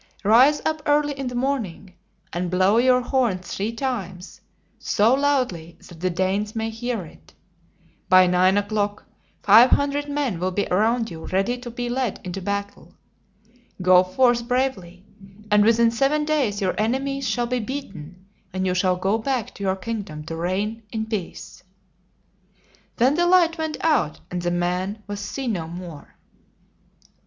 Rise up early in the morning and blow your horn three times, so loudly that the Danes may hear it. By nine o'clock, five hundred men will be around you ready to be led into battle. Go forth bravely, and within seven days your en e mies shall be beaten, and you shall go back to your kingdom to reign in peace." Then the light went out, and the man was seen no more.